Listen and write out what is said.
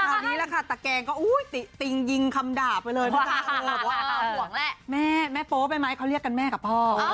ตอนนี้ล่ะค่ะตะแกงก็ติงยิงคำดาบไปเลยเพราะว่าแม่โป๊ะไปไหมเขาเรียกกันแม่กับพ่อ